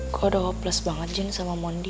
gue udah hopeless banget jin sama monty